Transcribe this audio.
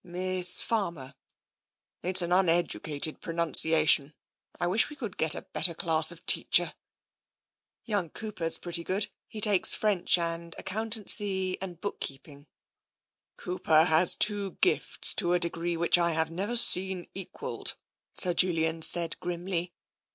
" Miss Farmer." " It's an uneducated pronunciation. I wish we could get a better class of teacher." " Young Cooper is pretty good. He takes French and accountancy and book keeping." "Cooper has two gifts to a degree which I have never seen equalled," Sir Julian said grimly.